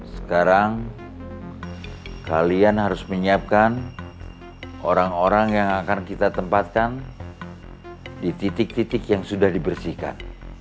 sekarang kalian harus menyiapkan orang orang yang akan kita tempatkan di titik titik yang sudah dibersihkan